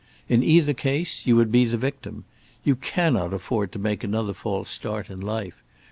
In either case you would be the victim. You cannot afford to make another false start in life.